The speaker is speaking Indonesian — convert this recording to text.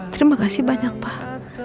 terima kasih banyak banyak